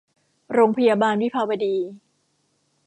โรงพยาบาลวิภาวดี